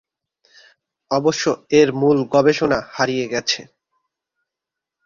অবশ্য এর মূল গবেষণা হারিয়ে গেছে।